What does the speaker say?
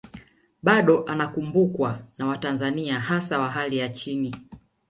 Bado anakumbukwa na watanzania hasa wa hali ya chini